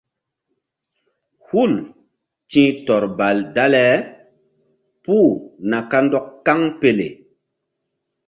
Hul ti̧h tɔr dale puh na kandɔk kaŋpele.